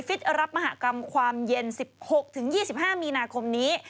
รับมหากรรมความเย็น๑๖๒๕มีนาคมนี้